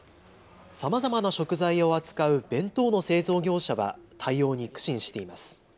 さまざまな食材を扱う弁当の製造業者は対応に苦心しています。